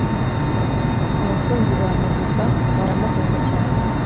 Abakunzi ba muzika baramukunda cyane